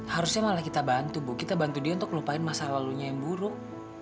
harusnya malah kita bantu bu kita bantu dia untuk lupain masa lalunya yang buruk